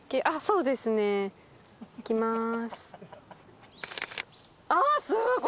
そうですね。いきます。